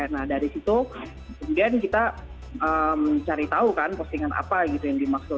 nah dari situ kemudian kita mencari tahu kan postingan apa gitu yang dimaksud